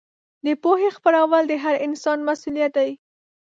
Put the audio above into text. د پوهې خپرول د هر انسان مسوولیت دی.